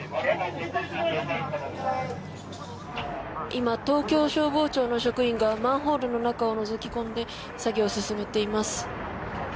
今、東京消防庁の職員がマンホールの中をのぞき込んで作業を進めています。